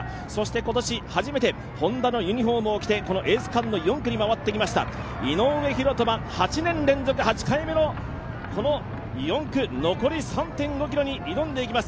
今年初めてＨｏｎｄａのユニフォームを着て、エース区間の４区に回ってきました井上大仁は８年連続８回目の４区、残り３．５ｋｍに挑んでいきます。